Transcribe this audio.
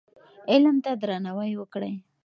علم ته درناوی وکړئ.